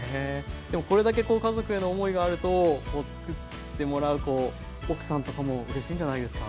でもこれだけ家族への思いがあるとつくってもらう奥さんとかもうれしいんじゃないですか？